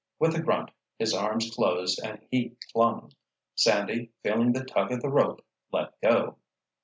With a grunt, his arms closed and he clung. Sandy, feeling the tug of the rope, let go.